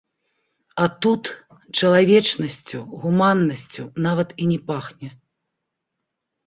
А тут чалавечнасцю, гуманнасцю нават і не пахне.